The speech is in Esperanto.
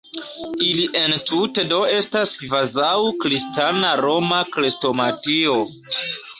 Ili entute do estas kvazaŭ «Kristana Roma Krestomatio».